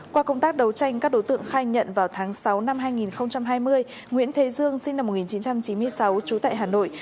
qua công tác đấu tranh các đối tượng khai nhận vào tháng sáu năm hai nghìn hai mươi nguyễn thế dương sinh năm một nghìn chín trăm chín mươi sáu trú tại hà nội